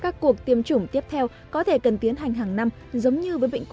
các cuộc tiêm chủng tiếp theo có thể cần tiến hành